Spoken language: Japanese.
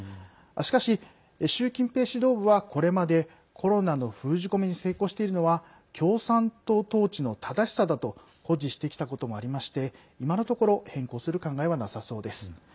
しかし、習近平指導部はこれまでコロナの封じ込めに成功しているのは共産党統治の正しさだと誇示してきたこともありまして今のところ変更する考えはなさそうです。